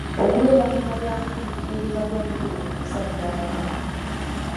Okubeera mu nnabyabufuzi kitegeeeza kuba mwetegefu kusaddaaka